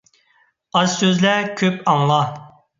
ئاز سۆزلە، كۆپ ئاڭلا.